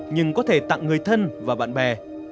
nhưng có thể tặng người thân và bạn bè